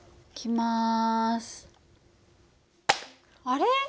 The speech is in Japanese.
あれ？